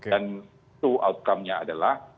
dan itu outcome nya adalah